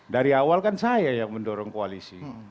dari awal kan saya yang mendorong koalisi